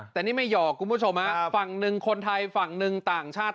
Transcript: แต่นี่ไม่หอกคุณผู้ชมฮะฝั่งหนึ่งคนไทยฝั่งหนึ่งต่างชาติ